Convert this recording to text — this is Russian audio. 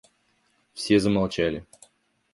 Все замолчали.